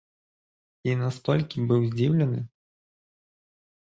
І настолькі быў здзіўлены!